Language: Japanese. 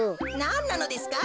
なんなのですか？